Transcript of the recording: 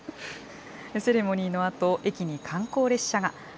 セレモニーのあと、駅に観光列車が。